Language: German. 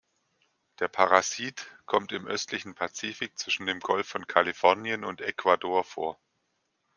Der Parasit kommt im östlichen Pazifik zwischen dem Golf von Kalifornien und Ecuador vor.